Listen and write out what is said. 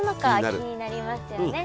気になりますよね！